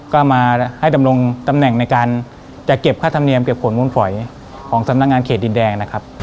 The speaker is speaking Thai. ก็มาให้ดำรงตำแหน่งในการจะเก็บค่าธรรมเนียมเก็บผลมูลฝอยของสำนักงานเขตดินแดงนะครับ